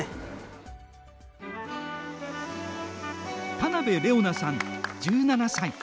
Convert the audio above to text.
田邊玲緒奈さん１７歳。